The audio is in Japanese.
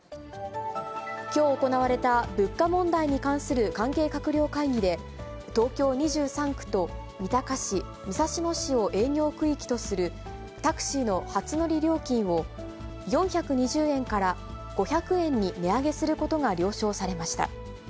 きょう行われた物価問題に関する関係閣僚会議で、東京２３区と三鷹市、武蔵野市を営業区域とする、タクシーの初乗り料金を、４２０円から５００円に値上げすることが了承されました。